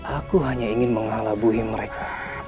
aku hanya ingin menghalabuhi mereka